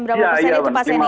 berapa persen itu pak seni ya